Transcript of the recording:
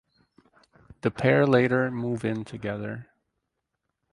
The pair later move in together.